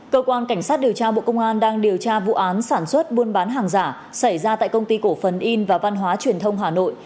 cơ quan cảnh sát điều tra bộ công an đang điều tra vụ án sản xuất buôn bán hàng giả xảy ra tại công ty cổ phần in và văn hóa truyền thông hà nội